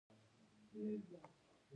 د خوب د ګډوډۍ لپاره باید څه مه څښم؟